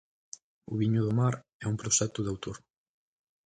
O viño do mar, é un proxecto de autor?